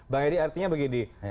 bang edi artinya begini